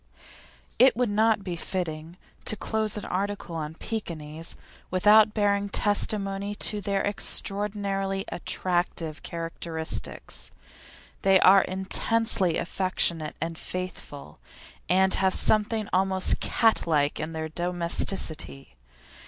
It would not be fitting to close an article on Pekinese without bearing testimony to their extraordinarily attractive characteristics. They are intensely affectionate and faithful, and have something almost cat like in their domesticity.